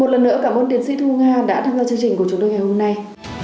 một lần nữa cảm ơn tiến sĩ thu nga đã tham gia chương trình của chúng tôi ngày hôm nay